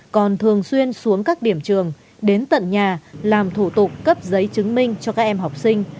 còn thường xuyên xuống các điểm trường đến tận nhà làm thủ tục cấp giấy chứng minh cho các em học sinh